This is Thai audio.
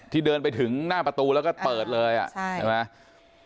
เดินไปถึงหน้าประตูแล้วก็เปิดเลยอ่ะใช่ไหม